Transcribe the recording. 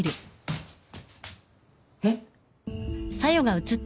えっ？